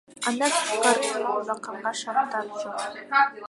Андан сырткары мал бакканга шарттар жок.